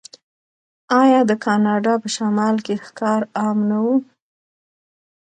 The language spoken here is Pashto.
آیا د کاناډا په شمال کې ښکار عام نه و؟